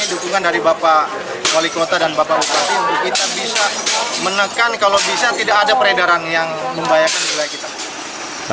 dukungan dari bapak wali kota dan bapak bupati untuk kita bisa menekan kalau bisa tidak ada peredaran yang membahayakan wilayah kita